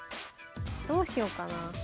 どうしよっかな。